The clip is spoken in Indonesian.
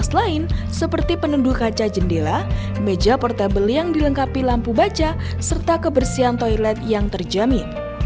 fasilitas lain seperti penunduh kaca jendela meja portable yang dilengkapi lampu baca serta kebersihan toilet yang terjamin